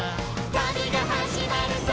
「旅が始まるぞ！」